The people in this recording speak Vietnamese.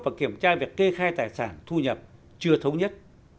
và kiểm tra việc kê khai tài sản thu nhập chưa thống nhất